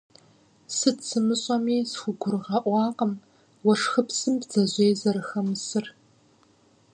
Сыт сымыщӀэми схугурыгъэӀуакъым уэшхыпсым бдзэжьей зэрыхэмысыр.